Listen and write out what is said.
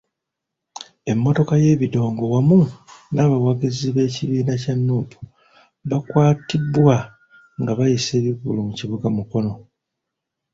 Emmotoka y'ebidongo wamu n'abawagizi b'ekibiina kya Nuupu baakwatibwa nga bayisa ebivvulu mu kibuga Mukono.